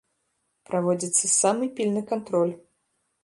Праводзіцца самы пільны кантроль.